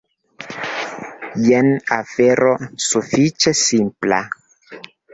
Jen afero sufiĉe simpla.